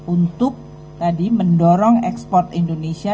untuk tadi mendorong ekspor indonesia